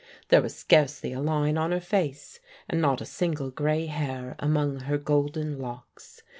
There was scarcely a line on her face, and not a single gray hair among her golden locks.